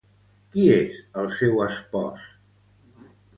Qui és el seu espòs?